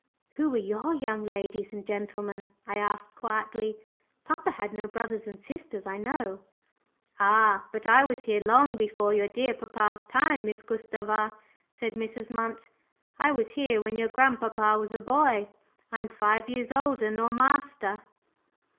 "Who were your young ladies and gentlemen?" I asked quietly. "Papa had no brothers and sisters, I know." "Ah! but I was here long before your dear papa's time, Miss Gustava," said Mrs. Munt. "I was here when your grandpapa was a boy. I'm five years older nor master."